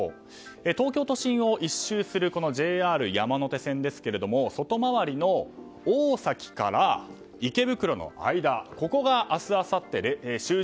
東京都心を１周するＪＲ山手線ですが外回りの大崎から池袋の間ここだ明日あさって終日